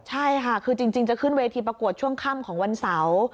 ใช่ค่ะคือจริงจะขึ้นเวทีประกวดช่วงค่ำของวันเสาร์